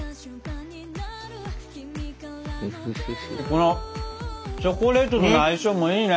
このチョコレートとの相性もいいね。